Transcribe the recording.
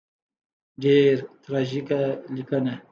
ډېره تراژیکه لیکنه.